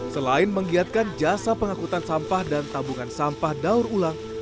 selain menggiatkan jasa pengakutan sampah dan tabungan sampah daur ulang